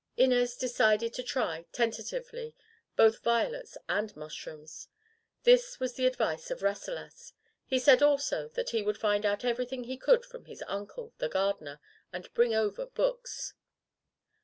Inez decided to try, tentatively, both violets and mushrooms. This was the advice of Rasselas. He said, also, that he would find out everything he could from his uncle, the gardener, and bring over books.